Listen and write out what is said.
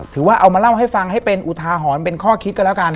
ถือว่าเอามาเล่าให้ฟังให้เป็นอุทาหรณ์เป็นข้อคิดกันแล้วกัน